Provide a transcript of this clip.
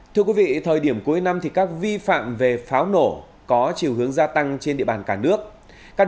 thưa quý vị thời điểm cuối năm các vi phạm về pháo nổ có chiều hướng gia tăng trên địa bàn cả nước